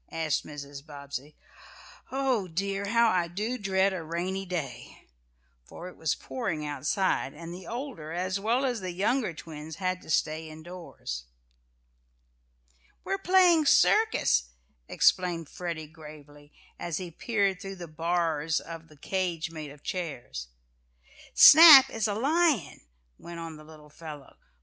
asked Mrs. Bobbsey. "Oh, dear, how I do dread a rainy day!" for it was pouring outside, and the older, as well as the younger twins had to stay in doors. "We're playing circus," explained Freddie gravely, as he peered between the "bars" of the cage made of chairs. "Snap is a lion," went on the little fellow.